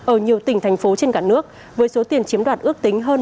ở nhiều tỉnh thành phố trên cả nước với số tiền chiếm đoạt ước tính hơn một trăm linh tỷ đồng